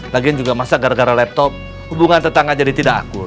lagian juga masa gara gara laptop hubungan tetangga jadi tidak akur